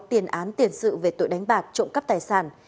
tiền án tiền sự về tội đánh bạc trộm cắp tài sản